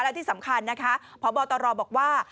และที่สำคัญนะคะพบตรบอกว่า